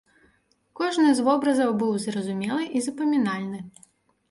Кожны з вобразаў быў зразумелы і запамінальны.